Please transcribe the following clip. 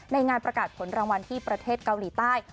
งานประกาศผลรางวัลที่ประเทศเกาหลีใต้